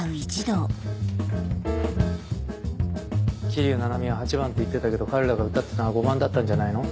桐生菜々美は８番って言ってたけど彼らが歌ってたの５番だったんじゃないの？